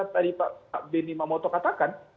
tadi pak benny mamoto katakan